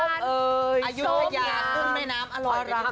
อายุระยะคุณแม่น้ำอร่อยเลย